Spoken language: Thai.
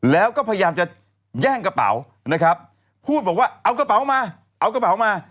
แล้วก็พยายามจะแย่งกระเป๋านะครับพูดบอกว่าเอากระเป๋ามาเอากระเป๋ามา